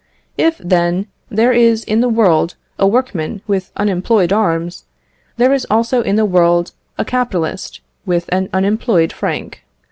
If, then, there is in the world a workman with unemployed arms, there is also in the world a capitalist with an unemployed franc.